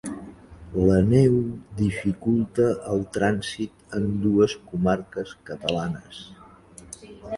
La neu dificulta el trànsit en dues comarques catalanes.